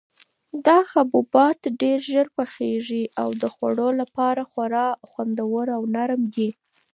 دا حبوبات ډېر ژر پخیږي او د خوړلو لپاره خورا خوندور او نرم دي.